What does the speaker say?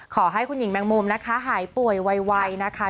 ขอให้คุณหญิงแมงมุมนะคะหายป่วยไวนะคะ